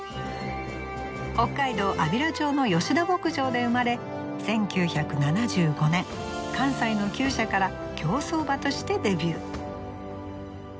北海道安平町の吉田牧場で生まれ１９７５年関西の厩舎から競走馬としてデビュー。